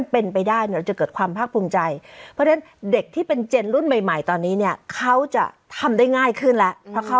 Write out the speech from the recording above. เป็นนักแสดงมานานมากนะครับค่ะ